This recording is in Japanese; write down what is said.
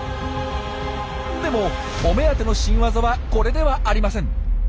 でもお目当ての新ワザはこれではありません。